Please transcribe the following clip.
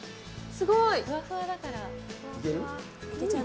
すごい。